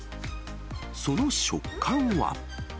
その食感は。